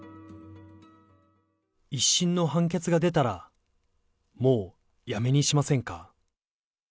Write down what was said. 一審の判決が出たら、もうやめにしませんか。